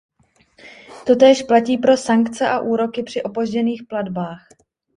Totéž platí pro sankce a úroky při opožděných platbách.